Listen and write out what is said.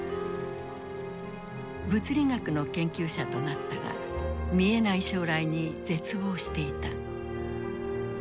物理学の研究者となったが見えない将来に絶望していた。